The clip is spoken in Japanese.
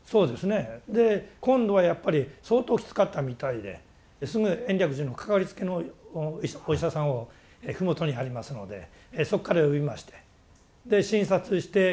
で今度はやっぱり相当きつかったみたいですぐ延暦寺のかかりつけのお医者さんを麓にありますのでそこから呼びましてで診察して血液を採る。